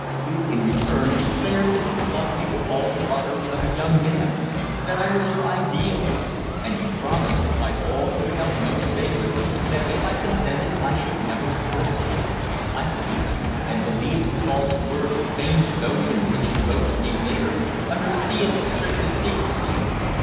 You, in return, declared that you loved me with all the ardour of a young man; that I was your ideal; and you promised, by all you held most sacred, that if I consented I should never regret. I believed you, and believed the false words of feigned devotion which you wrote to me later under seal of strictest secrecy.